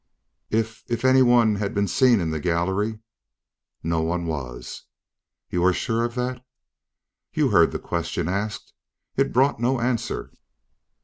"If if anyone had been seen in the gallery " "No one was." "You are sure of that?" "You heard the question asked. It brought no answer."